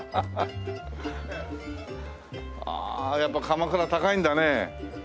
ああやっぱり鎌倉高いんだね。